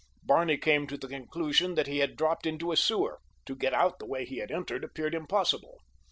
Barney came to the conclusion that he had dropped into a sewer. To get out the way he had entered appeared impossible.